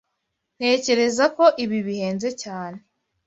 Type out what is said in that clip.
Ntekereza ko ibi bihenze cyane.